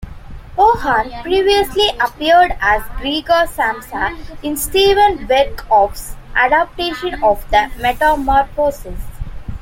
Hogan previously appeared as Gregor Samsa in Steven Berkoff's adaptation of "The Metamorphosis".